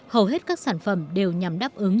hầu hết các sản phẩm đều nhằm đáp ứng